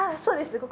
そうです